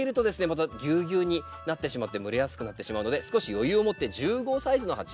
またぎゅうぎゅうになってしまって蒸れやすくなってしまうので少し余裕をもって１０号サイズの鉢